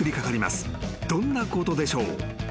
［どんなことでしょう？］